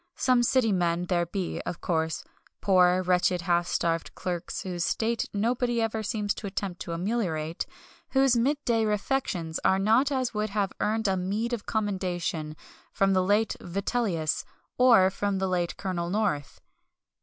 Some city men there be, of course poor, wretched, half starved clerks, whose state nobody ever seems to attempt to ameliorate whose midday refections are not such as would have earned a meed of commendation from the late Vitellius, or from the late Colonel North.